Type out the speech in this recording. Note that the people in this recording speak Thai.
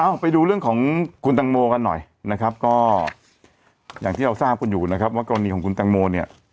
ไปดูเรื่องของคุณตังโมกันหน่อยนะครับก็อย่างที่เราทราบกันอยู่นะครับว่ากรณีของคุณตังโมเนี่ย